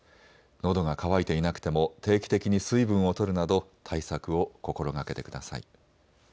のどが渇いていなくても定期的に水分をとるなど対策を心がけてください。